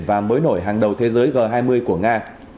và mới nổi hàng đầu thế giới g hai mươi của nga